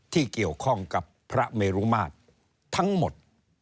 ที่เกี่ยวข้องกับพระเมรุมาตรทั้งหมด